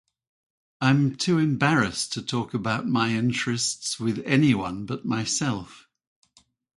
I’m too embarrassed to talk about my interests with anyone but myself.